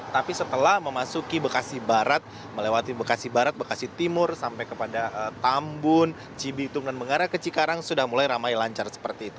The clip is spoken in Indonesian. tapi setelah memasuki bekasi barat melewati bekasi barat bekasi timur sampai kepada tambun cibitung dan mengarah ke cikarang sudah mulai ramai lancar seperti itu